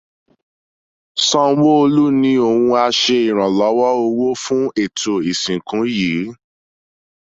Sanwó-Olú ní òun á ṣe ìrànlọ́wọ́ owó fún ètò ìsìnkú yìí